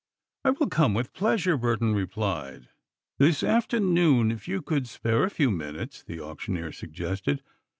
"I will come with pleasure," Burton replied. "This afternoon, if you could spare a few minutes?" the auctioneer suggested.